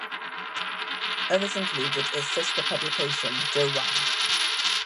Others included its sister publication, "Jogwang".